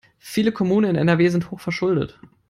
Viele Kommunen in NRW sind hochverschuldet.